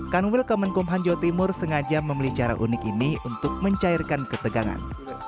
kanwil kemenkumhanjo timur sengaja memilih cara unik ini untuk mencairkan ketegangan